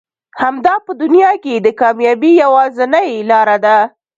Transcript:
همدا په دنيا کې د کاميابي يوازنۍ لاره ده.